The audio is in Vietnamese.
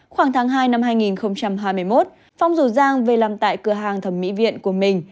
khoảng tháng hai năm hai nghìn hai mươi một phong rủ giang về làm tại cửa hàng thẩm mỹ viện của mình